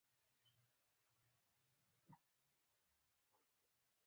زه پښتو وایم